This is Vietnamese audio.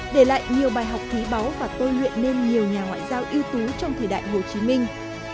để lại nhiều bài học thí báu và tôi luyện nên nhiều nhà ngoại giao yếu tố trong thời đại hồ chí minh